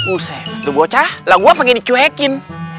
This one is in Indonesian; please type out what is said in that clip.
usah baca lagu apa gini cuekin